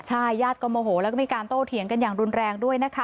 ใช่ญาติก็โมโหแล้วก็มีการโต้เถียงกันอย่างรุนแรงด้วยนะคะ